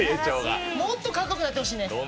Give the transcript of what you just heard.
もっとかっこよくなってほしいね！